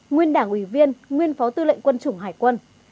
nguyên đảng ủy viên nguyên phó tư lệnh quân chủng hải quân